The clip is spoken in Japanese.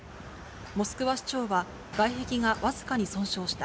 モスクワ市長は外壁が僅かに損傷した。